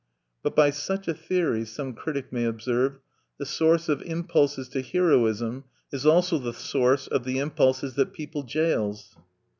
"But by such a theory," some critic may observe, "the source of impulses to heroism is also the source of the impulses that people jails.